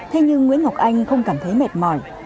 thế nhưng nguyễn ngọc anh không cảm thấy mệt mỏi